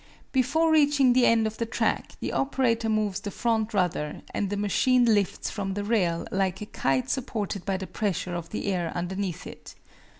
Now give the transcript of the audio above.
Before reaching the end of the track the operator moves the front rudder, and the machine lifts from the rail like a kite supported by the pressure of the air underneath it.